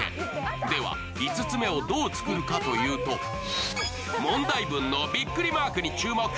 では、５つ目をどう作るかというと問題文のビックリマークに注目。